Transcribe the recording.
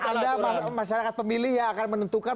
anda masyarakat pemilih yang akan menentukan